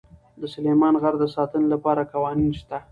د سلیمان غر د ساتنې لپاره قوانین شته.